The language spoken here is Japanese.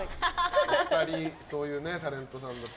２人そういうタレントさんだと。